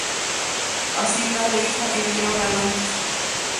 Así madre e hija emigraron a Londres.